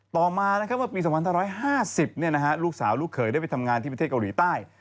ต่อมานะครับว่าปี๒๕๐เนี่ยนะฮะลูกสาวลูกเขยได้ไปทำงานที่ประเทศเกาหลีใต้